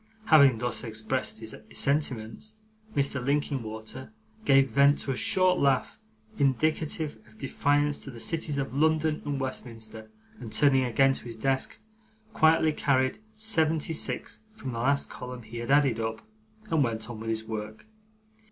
Having thus expressed his sentiments, Mr. Linkinwater gave vent to a short laugh, indicative of defiance to the cities of London and Westminster, and, turning again to his desk, quietly carried seventy six from the last column he had added up, and went on with his work.